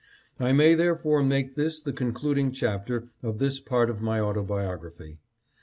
I may therefore make this the concluding chapter of this part of my autobiography.